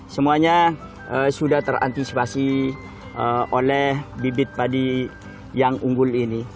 semuanya sudah terantisipasi oleh bibit padi yang unggul ini